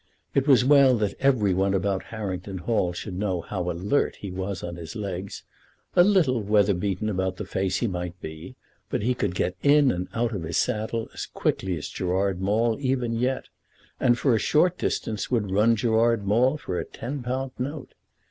It was well that every one about Harrington Hall should know how alert he was on his legs; a little weather beaten about the face he might be; but he could get in and out of his saddle as quickly as Gerard Maule even yet; and for a short distance would run Gerard Maule for a ten pound note.